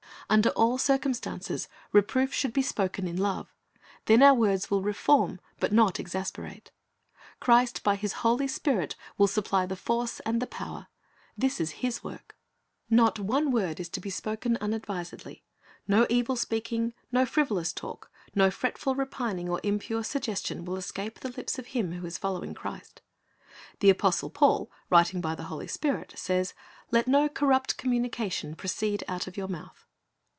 Under all circum stances reproof should be spoken in love. Then our words will reform, but not exasperate. Christ by His Holy Spirit will supply the force and the power. This is His work. Not one word is to be spoken unadvisedly. No evil speaking, no frivolous talk, no fretful repining or impure suggestion, will escape the lips of him who is following Christ. The apostle Paul, writing by the Holy Spirit, says, "Let no corrupt communication proceed out of your mouth."'